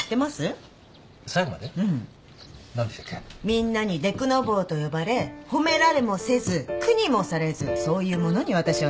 みんなにでくのぼうと呼ばれ褒められもせず苦にもされずそういうものに私はなりたいっていうんですよ。